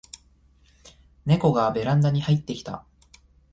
ネコがベランダに入ってきた